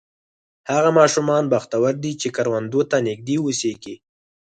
هغه ماشومان بختور دي چې کروندو ته نږدې اوسېږي.